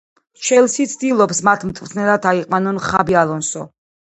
ჩელსი ცდილობს მათ მწვრთნელად აიყვანონ ხაბი ალონსო